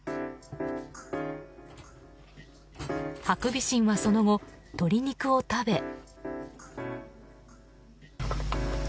ハクビシンはその後鶏肉を食べ。